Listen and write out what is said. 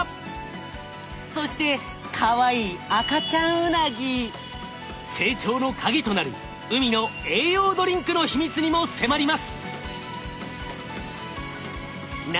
そしてかわいい成長のカギとなる海の栄養ドリンクの秘密にも迫ります。